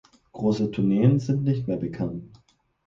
Große Tourneen sind nicht mehr bekannt.